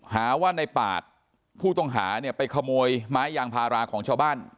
หาว่านายปาทพู่ตรงหาไปขโมยไม้ยางภาระของช่อบั้น